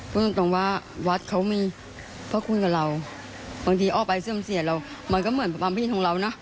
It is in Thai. เพราะวัดเขามีพระคุณกับเราบางทีออกไปเสื่อมเสียเราก็เหมือนพระคุณของเรานะ